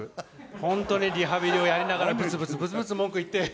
本当にリハビリをやりながらぶつぶつぶつぶつ文句言って。